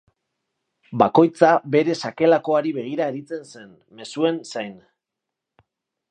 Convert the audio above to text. Bakoitza bere sakelakoari begira aritzen zen, mezuen zain.